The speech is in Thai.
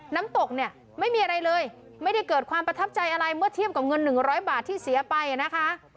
น้ำตกเนี่ยไม่มีอะไรเลยไม่ได้เกิดความประทับใจอะไรเมื่อเทียบกับเงิน๑๐๐บาทที่เสียไปนะคะ